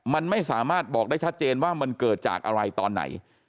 มันไม่สามารถบอกได้ชัดเจนว่ามันเกิดจากอะไรตอนไหน